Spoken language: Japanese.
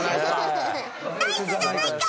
ナイスじゃないか！